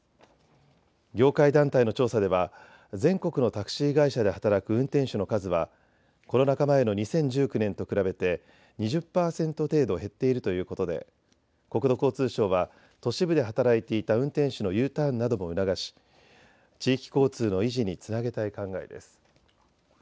業界団体の調査では全国のタクシー会社で働く運転手の数はコロナ禍前の２０１９年と比べて２０％程度減っているということで国土交通省は都市部で働いていた運転手のＵターンなども促し地域交通の維持につなげたい考えです。